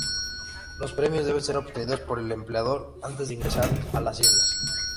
Los permisos deben ser obtenidos por el empleador antes de ingresar a las islas.